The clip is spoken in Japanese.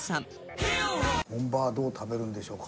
本場はどう食べるんでしょうか？